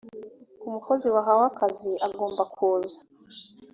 ku mukozi wahawe akazi agomba kuza